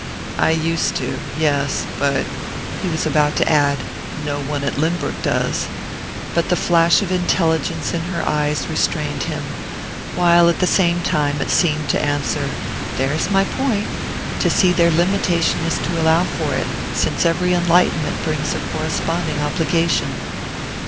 "I used to yes; but " He was about to add: "No one at Lynbrook does," but the flash of intelligence in her eyes restrained him, while at the same time it seemed to answer: "There's my point! To see their limitation is to allow for it, since every enlightenment brings a corresponding obligation."